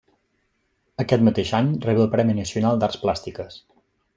Aquest mateix any rebé el Premi Nacional d'Arts Plàstiques.